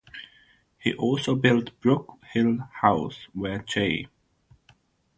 He also built Brook Hill House where J.